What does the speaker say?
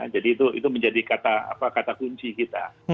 jadi itu menjadi kata kunci kita